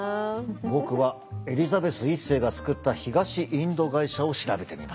僕はエリザベス１世が作った東インド会社を調べてみます。